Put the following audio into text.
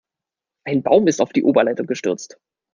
Ein Baum ist auf die Oberleitung gestürzt.